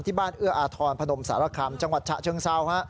บ้านเอื้ออาทรพนมสารคำจังหวัดฉะเชิงเซาฮะ